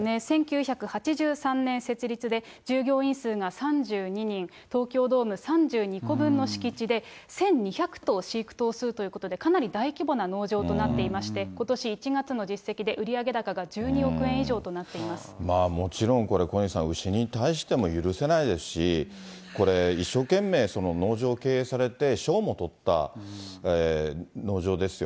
そうですね、１９８３年設立で、従業員数が３２人、東京ドーム３２個分の敷地で、１２００頭飼育頭数ということで、かなり大規模な農場となっていまして、ことし１月の実績で、売上高が１２まあ、もちろんこれ、小西さん、牛に対しても許せないですし、これ、一生懸命、農場を経営されて、賞も取った農場ですよ。